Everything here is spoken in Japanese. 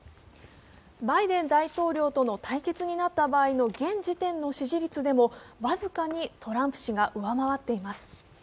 バイデン大統領との対決になった場合の現時点での支持率でも僅かにトランプ氏が上回っています。